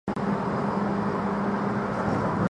只要牵着对方的手